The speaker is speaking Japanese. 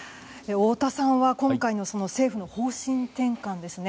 太田さんは今回の政府の方針転換ですね。